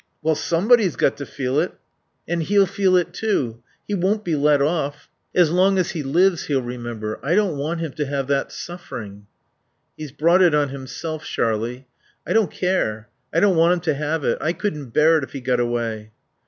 "Well, somebody's got to feel it.... And he'll feel it too. He won't be let off. As long as he lives he'll remember.... I don't want him to have that suffering." "He's brought it on himself, Sharlie." "I don't care. I don't want him to have it. I couldn't bear it if he got away."